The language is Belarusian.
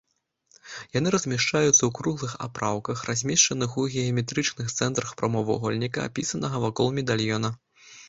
Яны размяшчаюцца ў круглых апраўках, размешчаных у геаметрычных цэнтрах прамавугольніка, апісанага вакол медальёна.